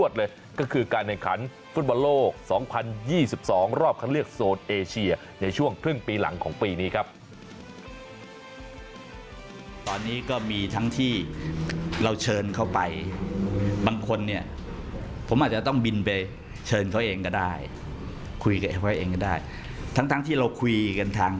ตอนนี้ก็มีทั้งที่เราเชิญเขาไปบางคนเนี่ยผมอาจจะต้องบินไปเชิญเขาเองก็ได้คุยกับเขาเองก็ได้ทั้งที่เราคุยกันทาง